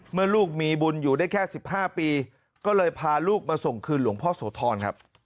เมื่อลูกมีบุญอยู่ได้แค่๑๕ปีก็เลยพาลูกมาส่งคืนหลวงพ่อโสธรครับ